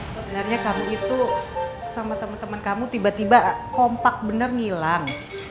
sebenarnya kamu itu sama temen temen kamu tiba tiba kompak bener ngilang